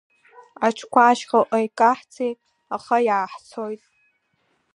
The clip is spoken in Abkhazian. Аҽқәа ашьхаҟа икаҳцеит, аха иааҳцоит.